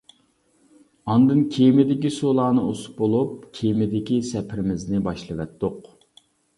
ئاندىن كېمىدىكى سۇلارنى ئۇسۇپ بولۇپ، كېمىدىكى سەپىرىمىزنى باشلىۋەتتۇق.